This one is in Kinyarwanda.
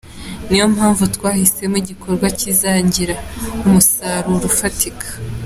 Niyo mpamvu twahisemo igikorwa kizagira umusaruro ufatika.